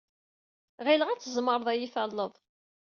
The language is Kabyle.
Ɣileɣ ad tzemred ad iyi-talled.